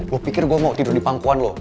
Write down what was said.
lo pikir gue mau tidur di pangkuan lo